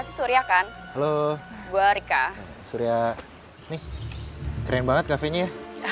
surya nih keren banget cafe nya